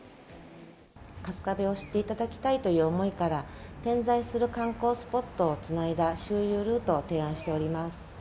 春日部を知っていただきたいという思いから、点在する観光スポットをつないだ周遊ルートを提案しております。